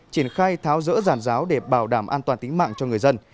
triển khai tháo rỡ ràn ráo để bảo đảm an toàn tính mạng cho người dân